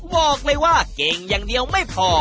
บอกเลยว่าเก่งอย่างเดียวไม่พอ